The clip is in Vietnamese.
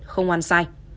không oan sai